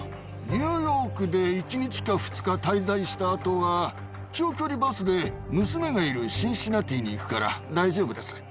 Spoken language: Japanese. ニューヨークで１日か２日滞在したあとは、長距離バスで娘がいるシンシナティに行くから大丈夫です。